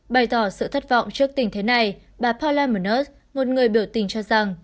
bày tỏ sự thất vọng trước tình thế này bà paula munoz một người biểu tình cho rằng